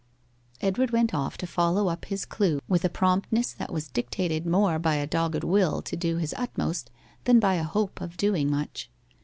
Edward went off to follow up his clue with a promptness which was dictated more by a dogged will to do his utmost than by a hope of doing much.